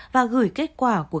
và gửi kết quả của các nghiên cứu